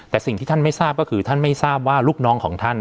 แต่สิ่งที่ท่านไม่ทราบก็คือท่านไม่ทราบว่าลูกน้องของท่าน